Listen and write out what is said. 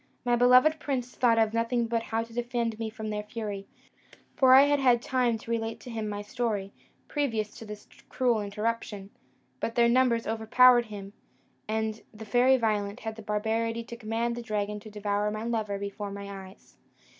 My beloved prince thought of nothing but how to defend me from their fury; for I had had time to relate to him my story, previous to this cruel interruption; but their numbers overpowered him, and the Fairy Violent had the barbarity to command the dragon to devour my lover before my eyes.